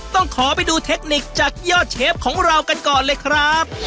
ต้องขอไปดูเทคนิคจากยอดเชฟของเรากันก่อนเลยครับ